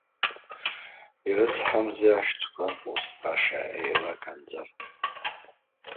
Ирыцҳамзи ашәҭқәа ус баша еилаканӡар!